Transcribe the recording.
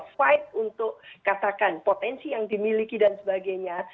fight untuk katakan potensi yang dimiliki dan sebagainya